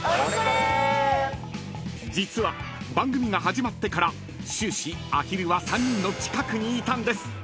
［実は番組が始まってから終始アヒルは３人の近くにいたんです］